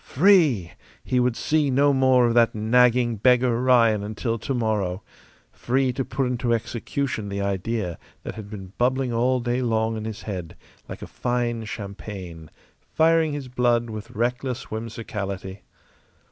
Free! He would see no more of that nagging beggar Ryan until tomorrow. Free to put into execution the idea that had been bubbling all day long in his head, like a fine champagne, firing his blood with reckless whimsicality.